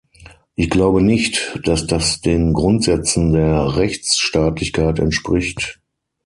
Ich glaube nicht, dass das den Grundsätzen der Rechtsstaatlichkeit entspricht.